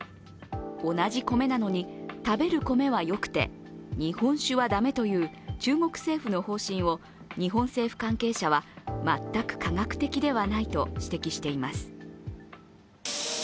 同じ米なのに食べる米はよくて日本酒は駄目という中国政府の方針を日本政府関係者は全く科学的ではないと指摘しています。